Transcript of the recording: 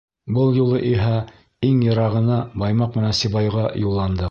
Был юлы иһә иң йырағына — Баймаҡ менән Сибайға — юлландыҡ.